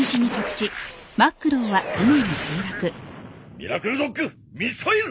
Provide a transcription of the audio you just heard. ミラクルドッグミサイル！